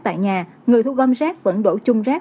tại nhà người thu gom rác vẫn đổ chung rác